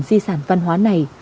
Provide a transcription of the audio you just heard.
di sản văn hóa này